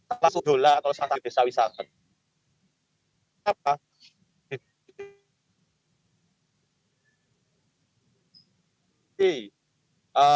atau sudah lah atau saat ada desa wisata